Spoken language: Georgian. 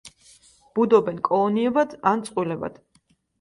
ბუდობენ კოლონიებად ან წყვილებად.